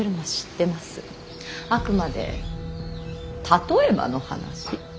あくまで例えばの話。